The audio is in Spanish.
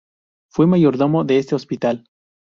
Fue mayordomo de este hospital.